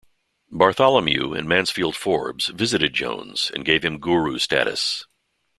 Bartholomew and Mansfield Forbes visited Jones, and gave him "guru" status.